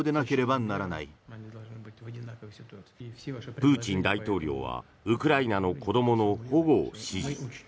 プーチン大統領はウクライナの子どもの保護を指示。